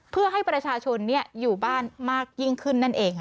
เพื่อให้ประชาชนอยู่บ้านมากยิ่งขึ้นนั่นเอง